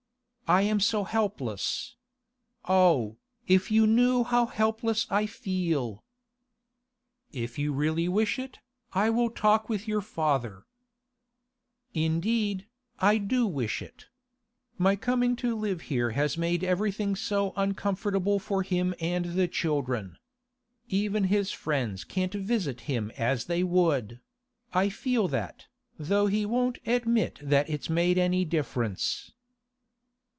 I am so helpless. Oh, if you knew how helpless I feel!' 'If you really wish it, I will talk with your father—' 'Indeed, I do wish it. My coming to live here has made everything so uncomfortable for him and the children. Even his friends can't visit him as they would; I feel that, though he won't admit that it's made any difference.